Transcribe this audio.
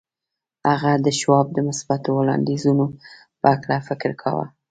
هغه د شواب د مثبتو وړاندیزونو په هکله فکر کاوه